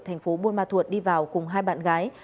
thành phố buôn ma thuột đi vào cùng hai bạn gái